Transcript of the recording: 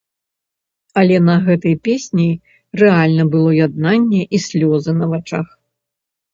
Але на гэтай песні рэальна было яднанне і слёзы на вачах.